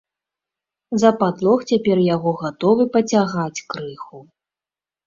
За падлог цяпер яго гатовы пацягаць крыху.